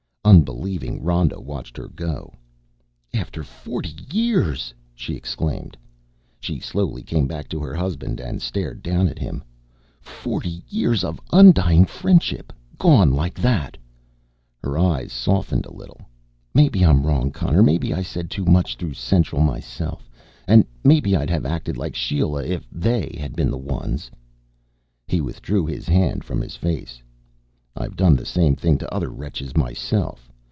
Unbelieving, Rhoda watched her go. "After forty years!" she exclaimed. She slowly came back to her husband and stared down at him. "Forty years of 'undying' friendship, gone like that!" Her eyes softened a little. "Maybe I'm wrong, Connor, maybe I said too much through Central myself. And maybe I'd have acted like Sheila if they had been the ones." He withdrew his hands from his face. "I've done the same thing to other wretches myself.